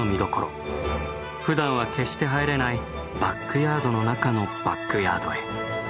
ふだんは決して入れないバックヤードの中のバックヤードへ。